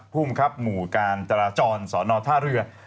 ภูมิครับหมู่การจราจรสอนอท่าเรือ